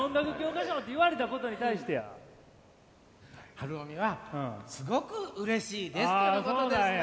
晴臣は「すごくうれしいです」とのことですね。